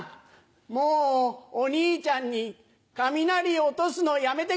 もうお兄ちゃんに雷落とすのやめてくれよ。